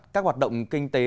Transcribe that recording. các hoạt động kinh tế